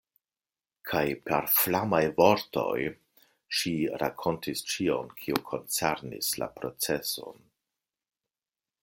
Kaj per flamaj vortoj ŝi rakontis ĉion, kio koncernis la proceson.